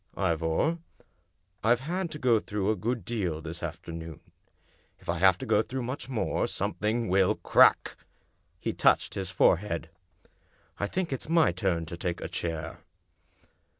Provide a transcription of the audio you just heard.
Ivor, I've had to go through a good deal this after noon. If I have to go through much more, something will crack!" He touched his forehead. " I think it's my turn to take a chair."